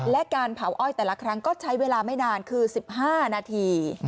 และการเผาอ้อยแต่ละครั้งก็ใช้เวลาไม่นานคือ๑๕นาที